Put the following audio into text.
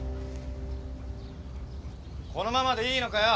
このままでいいのかよ。